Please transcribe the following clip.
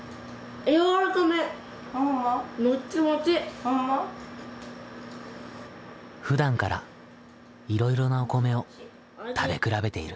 ほんま？ふだんからいろいろなお米を食べ比べている。